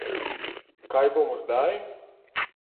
Kaj bomo zdaj?